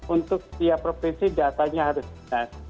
untuk setiap provinsi datanya harus jelas